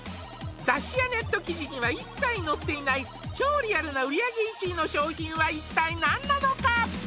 雑誌やネット記事には一切載っていない超リアルな売り上げ１位の商品は一体何なのか？